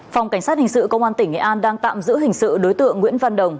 phòng cảnh sát hình sự công an tỉnh nghệ an đang tạm giữ hình sự đối tượng nguyễn văn đồng